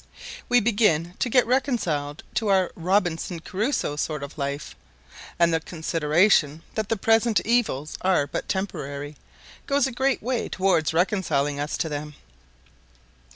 We begin to get reconciled to our Robinson Crusoe sort of life, and the consideration that the present evils are but temporary, goes a great way towards reconciling us to them.